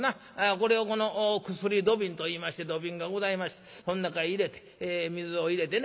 これをこの薬土瓶といいまして土瓶がございましてそん中へ入れて水を入れてね